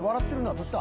どうした？